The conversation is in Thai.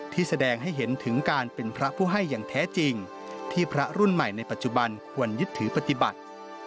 แสดงให้เห็นถึงการเป็นพระผู้ให้อย่างแท้จริงที่พระรุ่นใหม่ในปัจจุบันควรยึดถือปฏิบัติ